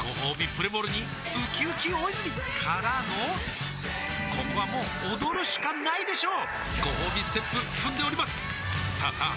プレモルにうきうき大泉からのここはもう踊るしかないでしょうごほうびステップ踏んでおりますさあさあ